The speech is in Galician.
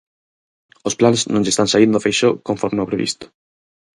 Os plans non lle están saíndo a Feixóo conforme ao previsto.